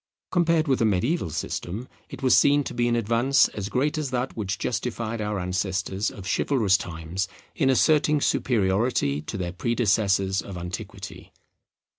Compared with the mediaeval system it was seen to be an advance as great as that which justified our ancestors of chivalrous times in asserting superiority to their predecessors of antiquity.